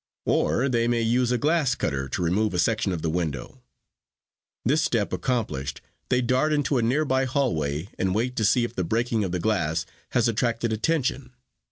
Or, they may use a glass cutter to remove a section of the window. This step accomplished, they dart into a nearby hallway and wait to see if the breaking of the glass has attracted attention.